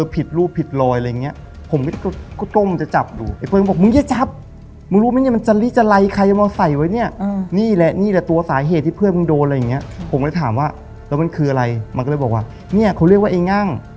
ผมก็จับพยาบแล้วก็เทออกมันก็มีของ